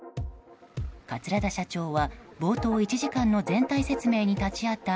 桂田社長は冒頭１時間の全体説明に立ち会った